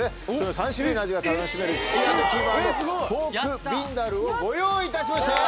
３種類の味が楽しめるチキン＆キーマ＆ポークビンダルをご用意いたしました。